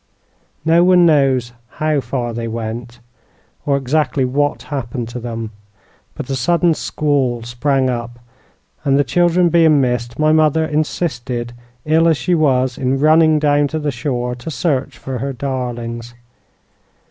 No one knows how far they went, or exactly what happened to them; but a sudden squall sprang up, and the children being missed, my mother insisted, ill as she was, in running down to the shore to search for her darlings.